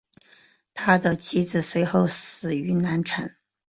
他的妻子随后死于难产。